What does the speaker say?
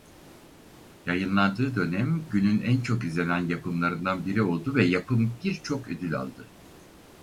Yayınlandığı dönem günün en çok izlenen yapımlarından biri oldu ve yapım birçok ödül aldı.